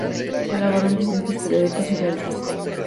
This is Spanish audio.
Colaboró en distintos periódicos y revistas.